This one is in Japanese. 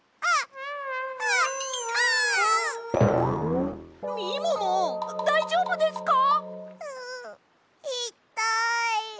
うういったい。